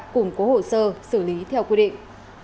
củng cố hồ sơ xử lý theo quy định